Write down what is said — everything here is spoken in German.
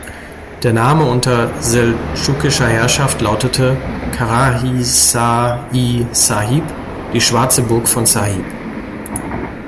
Der Name unter seldschukischer Herrschaft lautete "Karahisar-ı Sahib", die „Schwarze Burg von Sahib“.